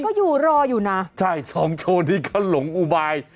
ก็อยู่รออยู่นะใช่สองโชว์ที่เขาหลงอุบาย